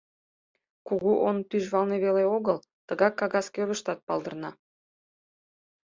Кугу он тӱжвалне веле огыл, тыгак кагаз кӧргыштат палдырна.